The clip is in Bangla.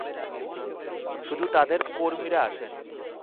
শুধু তাঁদের কর্মীরা আসেন।